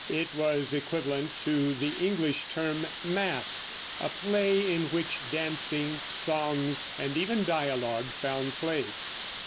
It was equivalent to the English term "Mask," a play in which dancing, songs and even dialogue found place.